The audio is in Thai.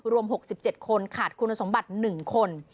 รวม๖๗คนขาดคุณสมบัติ๑คน